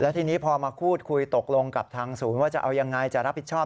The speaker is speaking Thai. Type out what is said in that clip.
ทีนี้พอมาพูดคุยตกลงกับทางศูนย์ว่าจะเอายังไงจะรับผิดชอบ